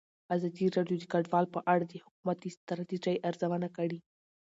ازادي راډیو د کډوال په اړه د حکومتي ستراتیژۍ ارزونه کړې.